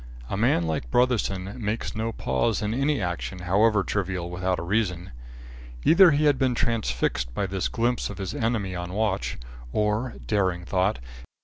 A man like Brotherson makes no pause in any action however trivial, without a reason. Either he had been transfixed by this glimpse of his enemy on watch, or daring thought!